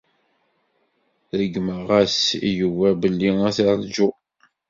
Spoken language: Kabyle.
Ṛeggmeɣ-as i Yuba belli ad t-rǧuɣ.